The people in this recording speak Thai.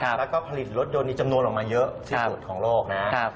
แล้วก็ผลิตรถยนต์มีจำนวนออกมาเยอะที่สุดของโลกนะครับ